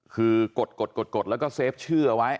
คือกดแล้วก็เซฟชื่อเอาไว้